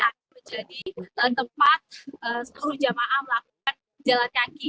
akan menjadi tempat seluruh jemaah melakukan jalan kaki